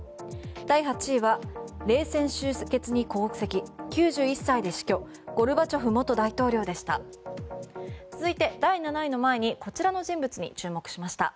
第８位は冷戦終結に功績９１歳で死去ゴルバチョフ元大統領でした。